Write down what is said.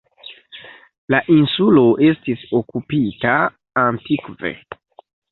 La insulo estis okupita antikve.